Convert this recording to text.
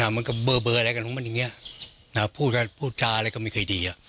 มันก็เบอร์อะไรกันของมันอย่างนี้พูดจาอะไรก็ไม่เคยดี